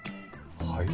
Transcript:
はい？